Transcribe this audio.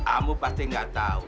ambo pasti gak tahu